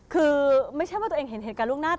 คือไม่ใช่ว่าตัวเองเห็นเหตุการณ์ล่วงหน้า